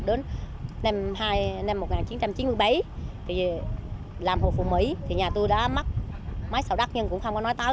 đến năm một nghìn chín trăm chín mươi bảy thì làm hồ phù mỹ thì nhà tôi đã mắc máy xào đắc nhưng cũng không có nói tao